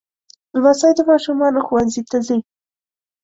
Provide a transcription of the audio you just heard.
لمسی د ماشومانو ښوونځي ته ځي.